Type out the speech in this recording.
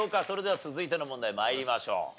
それでは続いての問題参りましょう。